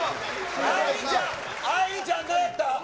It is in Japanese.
愛梨ちゃん、どうやった？